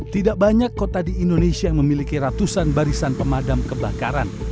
tidak banyak kota di indonesia yang memiliki ratusan barisan pemadam kebakaran